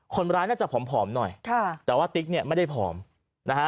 คนร้ายน่าจะผอมหน่อยค่ะแต่ว่าติ๊กเนี่ยไม่ได้ผอมนะฮะ